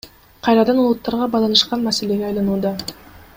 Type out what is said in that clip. Кайрадан улуттарга байланышкан маселеге айланууда.